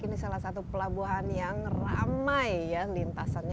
ini salah satu pelabuhan yang ramai ya lintasannya